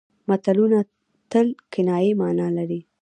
متلونه تل کنايي مانا لري